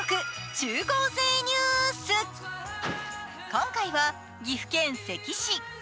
今回は岐阜県関市。